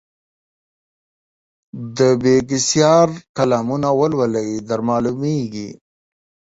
د بېکسیار کالمونه ولولئ درمعلومېږي.